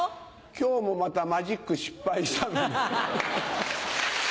今日もまたマジック失敗したのね。